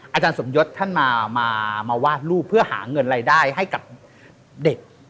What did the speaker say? อาจารย์สมยศท่านมาวาดรูปเพื่อหาเงินรายได้ให้กับเด็ก